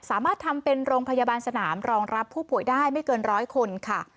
สามารถทำเป็นโรงพยาบาลสนามรองรับผู้ป่วยได้ไม่เกินร้อยคนค่ะ